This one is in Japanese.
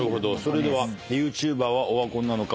それではＹｏｕＴｕｂｅｒはオワコンなのか？